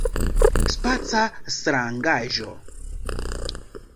Spaca Strangaĵo!